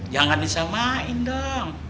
jangan disamain dong